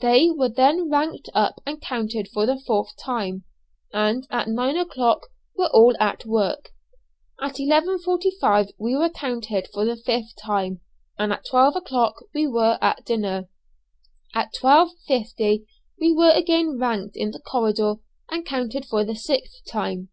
They were then ranked up and counted for the fourth time; and at nine o'clock all were at work. At 11·45 we were counted for the fifth time, and at twelve o'clock we were at dinner. At 12·50 we were again ranked in the corridor and counted for the sixth time.